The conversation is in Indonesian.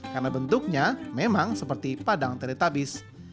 karena bentuknya memang seperti padang teletabis